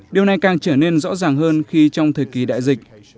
điều này càng trở nên rõ ràng hơn khi trong thời kỳ đại dịch